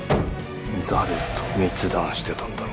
誰と密談してたんだろうね。